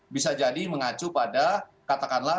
bisa jadi mengacu pada katakanlah